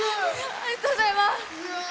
ありがとうございます。